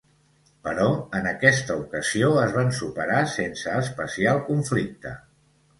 Però en aquesta ocasió es van superar sense especial conflicte.